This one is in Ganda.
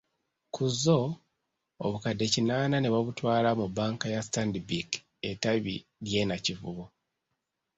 Kuzzo, obukadde kinaana nebabutwala mu banka ya Stanbic ettabi ly'e Nakivubo.